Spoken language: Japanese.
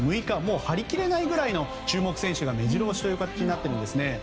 ６日、貼りきれないぐらいの注目選手が目白押しという形になっています。